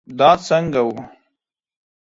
دا څنګه وه